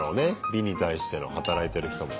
美に対しての働いてる人も。